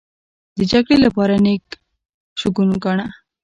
د جګړې لپاره نېک شګون گاڼه.